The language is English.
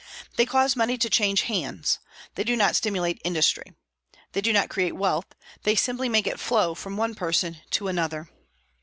They cause money to change hands; they do not stimulate industry. They do not create wealth; they simply make it flow from one person to another.